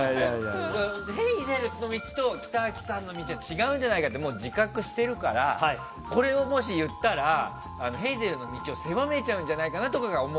ヘイゼルの道と北脇さんの道は違うんじゃないかって自覚してるからこれをもし言ったらヘイゼルの道を狭めちゃうんじゃないかと。